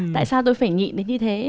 tại sao tôi phải nhịn đến như thế